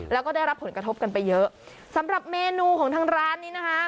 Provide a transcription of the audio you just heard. แล้วก็ได้รับผลกระทบกันไปเยอะสำหรับเมนูของทางร้านนี้นะคะ